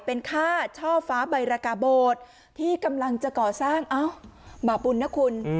เป็นค่าช่อฟ้าใบรากาโบดที่กำลังจะก่อสร้างเอ้าบาปบุญนะคุณ